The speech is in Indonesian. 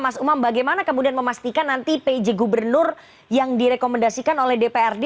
mas umam bagaimana kemudian memastikan nanti pj gubernur yang direkomendasikan oleh dprd